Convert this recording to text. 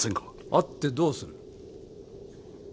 会ってどうする？